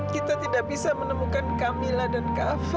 kita tidak bisa menemukan kamila dan kava